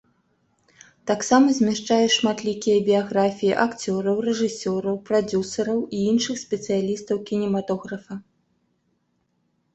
Таксама змяшчае шматлікія біяграфіі акцёраў, рэжысёраў, прадзюсараў і іншых спецыялістаў кінематографа.